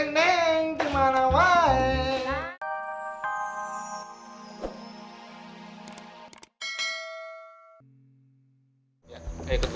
neng dimana woi